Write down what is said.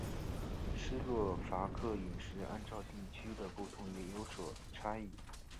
斯洛伐克饮食按照地区的不同也有所差异。